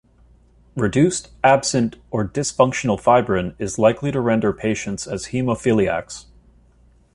Reduced, absent, or dysfunctional fibrin is likely to render patients as hemophiliacs.